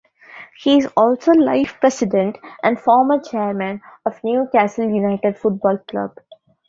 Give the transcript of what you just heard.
He is also life president and former chairman of Newcastle United football club.